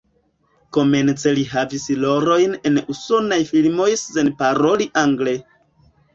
Komence li havis rolojn en usonaj filmoj sen paroli angle.